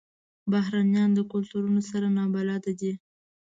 بهرنیان د کلتورونو سره نابلده دي.